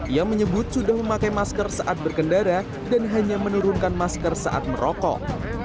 ia menyebut sudah memakai masker saat berkendara dan hanya menurunkan masker saat merokok